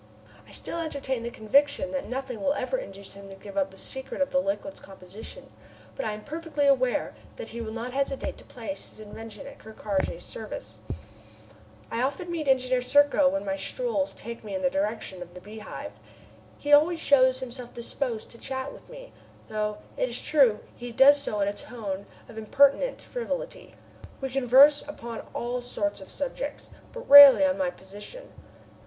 I still entertain the conviction that nothing will ever induce him to give up the secret of the liquid's composition; but I am perfectly aware that he will not hesitate to place his invention at Ker Karraje's service. I often meet Engineer Serko when my strolls take me in the direction of the Beehive. He always shows himself disposed to chat with me, though, it is true, he does so in a tone of impertinent frivolity. We converse upon all sorts of subjects, but rarely of my position.